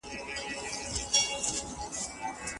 ګراني! ددې وطن په ورځ كي